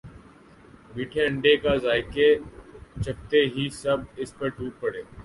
میٹھے انڈے کا ذائقہ چکھتے ہی سب اس پر ٹوٹ پڑے